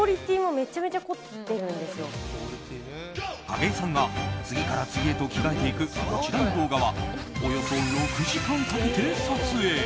景井さんが次から次へと着替えていく、こちらの動画はおよそ６時間かけて撮影。